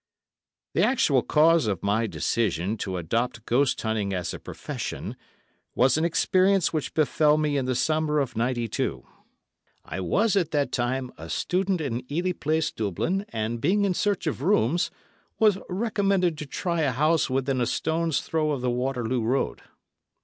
The actual cause of my decision to adopt ghost hunting as a profession was an experience which befel me in the summer of '92. I was at that time a student in Ely Place, Dublin, and being in search of rooms, was recommended to try a house within a stone's throw of the Waterloo Road.